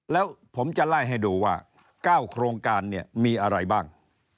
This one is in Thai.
แล้วผมจะไล่ให้ดูว่า๙โครงการเนี่ยมีอะไรบ้าง